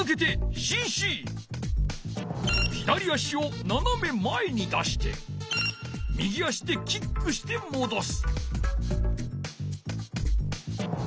同じように右足をななめまえに出して左足でキックしてもどす。